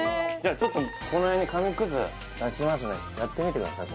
ちょっとこの辺に紙くず出しますのでやってみてください